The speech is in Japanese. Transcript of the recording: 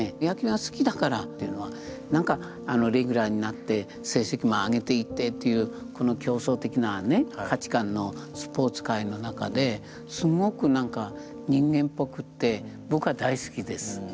野球が好きだからっていうのはなんかレギュラーになって成績も上げていってというこの競争的なね価値観のスポーツ界の中ですごくなんか人間ぽくって僕は大好きです。